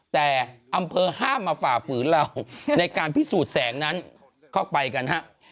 แต่อำเภอห้ามมาฝ่าฝืนเราในการพิสูจน์แสงนั้นเข้าไปกันฮะ